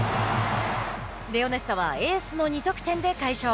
レオネッサはエースの２得点で快勝。